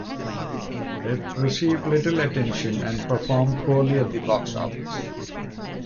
It received little attention and performed poorly at the box office.